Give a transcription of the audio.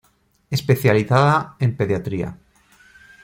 Especializada en Pediatría.